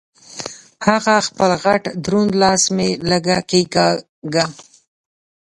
هغه خپل غټ دروند لاس مې لږه کېګاږه.